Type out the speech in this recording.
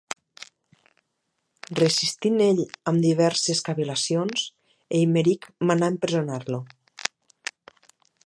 Resistint ell amb diverses cavil·lacions, Eimeric manà empresonar-lo.